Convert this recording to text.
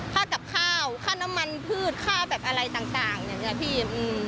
ค่ากับข้าวค่าน้ำมันพืชค่าแบบอะไรต่างอย่างนี้พี่